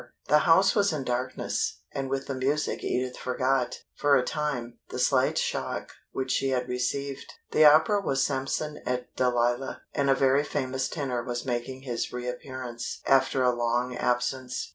The house was in darkness, and with the music Edith forgot, for a time, the slight shock which she had received. The opera was Samson et Dalila, and a very famous tenor was making his reappearance after a long absence.